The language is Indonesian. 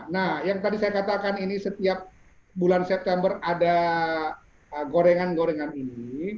nah yang tadi saya katakan ini setiap bulan september ada gorengan gorengan ini